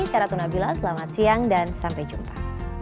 saya ratna bila selamat siang dan sampai jumpa